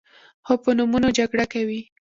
خو په نومونو جګړه کوي.